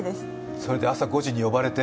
それで朝５時に呼ばれて？